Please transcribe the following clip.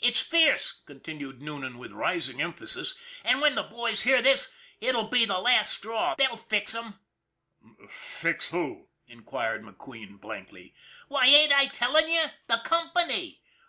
"It's fierce!" continued Noonan with rising em phasis. " And when the boys hear this, it'll be the last straw. They'll fix 'em I "" Fix who ?" inquired McQueen, blankly. " Why, ain't I telling you! The company."